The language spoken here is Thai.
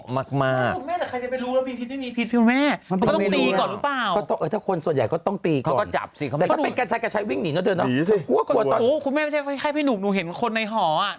ไม่ใช่ถ้าหนูเห็นคนในห่อ